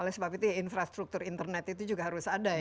oleh sebab itu infrastruktur internet itu juga harus ada ya